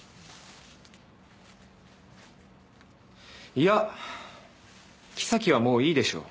いやキサキはもういいでしょう。